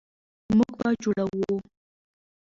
موږ به جوړوو.